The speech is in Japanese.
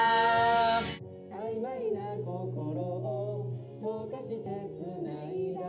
・「曖昧な心を解かして繋いだ」